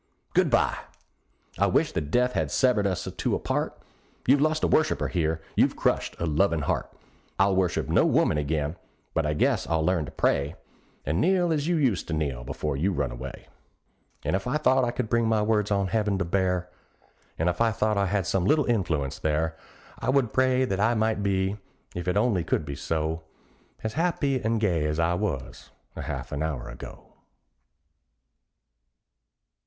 Good bye! I wish that death had severed us two apart. You've lost a worshiper here you've crushed a lovin' heart. I'll worship no woman again; but I guess I'll learn to pray, And kneel as you used to kneel before you run away. And if I thought I could bring my words on heaven to bear, And if I thought I had some little influence there, I would pray that I might be, if it only could be so. As happy and gay as I was a half an hour ago.